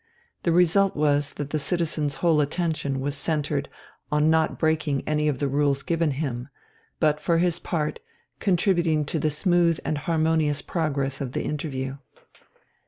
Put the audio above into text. The result was that the citizen's whole attention was centred on not breaking any of the rules given him, but for his part contributing to the smooth and harmonious progress of the interview.